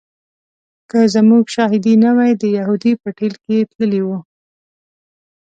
که زموږ شاهدي نه وای د یهودي په ټېل کې تللی و.